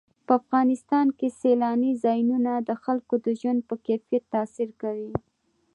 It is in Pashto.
په افغانستان کې سیلانی ځایونه د خلکو د ژوند په کیفیت تاثیر کوي.